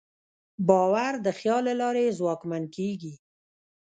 باور د خیال له لارې ځواکمن کېږي.